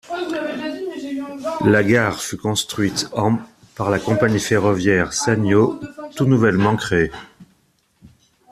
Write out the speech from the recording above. La gare fut construite en par la compagnie ferroviaire Sanyo tout nouvellement crée.